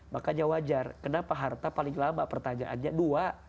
makanya wajar kenapa harta paling lama pertanyaannya dua